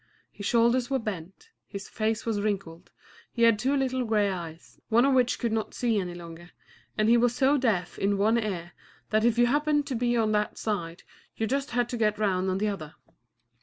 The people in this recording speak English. His shoulders were bent, his face was wrinkled, he had two little gray eyes, one of which could not see any longer, and he was so deaf in one ear that if you happened to be on that side you just had to get round on the other.